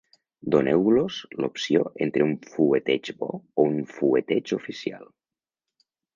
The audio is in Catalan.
Doneu-los l'opció entre un fueteig bo o un fueteig oficial.